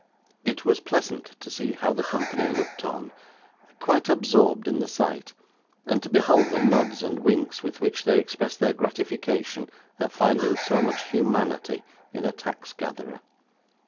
It was pleasant to see how the company looked on, quite absorbed in the sight, and to behold the nods and winks with which they expressed their gratification at finding so much humanity in a tax gatherer.